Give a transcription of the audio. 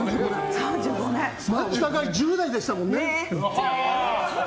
お互い、１０代でしたもんね。